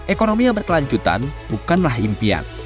ekonomi yang berkelanjutan bukanlah impian